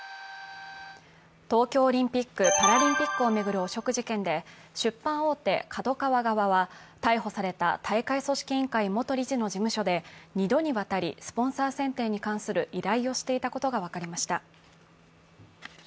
東京オリンピック・パラリンピックをめぐる汚職事件で、出版大手、ＫＡＤＯＫＡＷＡ側は、逮捕された大会組織委員会元理事の事務所で２度にわたりスポンサー選定に関する依頼をしていたことが分かりました。